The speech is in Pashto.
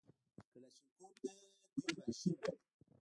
کلاشينکوف ته دوى ماشين وايي.